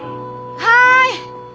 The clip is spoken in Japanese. はい！